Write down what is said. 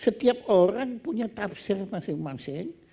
setiap orang punya tafsir masing masing